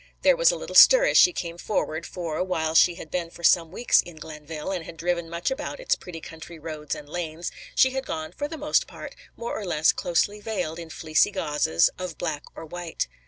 There was a little stir as she came forward, for, while she had been for some weeks in Glenville, and had driven much about its pretty country roads and lanes, she had gone, for the most part, more or less closely veiled in fleecy gauzes of black or white.